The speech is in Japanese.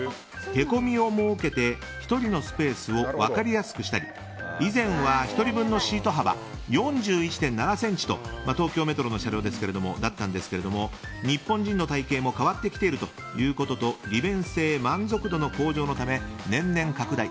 へこみを設けて１人のスペースを分かりやすくしたり以前は１人分のシート幅４１．７ｃｍと東京メトロの車両はそうでしたが日本人の体形も変わってきていることと利便性、満足度の向上のため年々、拡大。